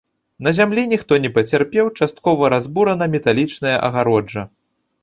На зямлі ніхто не пацярпеў, часткова разбурана металічная агароджа.